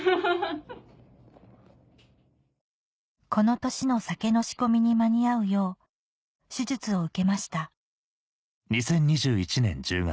この年の酒の仕込みに間に合うよう手術を受けました